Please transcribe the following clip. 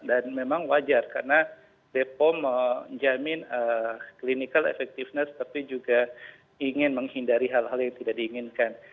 dan memang wajar karena pepom jamin clinical effectiveness tapi juga ingin menghindari hal hal yang tidak diinginkan